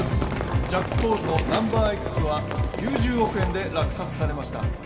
ジャックポールの「ナンバーＸ」は９０億円で落札されました